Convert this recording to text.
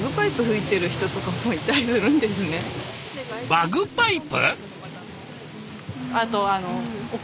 バグパイプ？